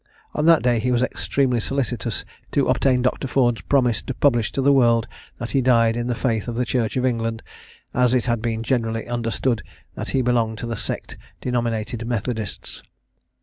On that day he was extremely solicitous to obtain Dr. Ford's promise to publish to the world that he died in the faith of the Church of England; as it had been generally understood that he belonged to the sect denominated Methodists.